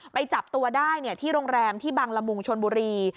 ไปจับตัวได้ที่โรงแรมที่บังละมุงชนบุรี